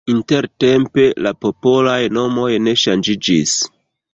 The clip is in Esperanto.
Intertempe la popolaj nomoj ne ŝanĝiĝis.